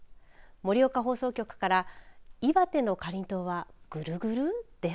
盛岡放送局から岩手のかりんとうはぐるぐる？です。